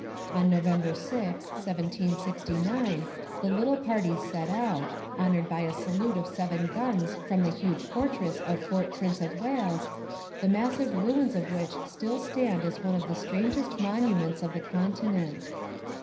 On November 6, 1769, the little party set out, honoured by a salute of seven guns from the huge fortress of Fort Prince of Wales, the massive ruins of which still stand as one of the strangest monuments of the continent.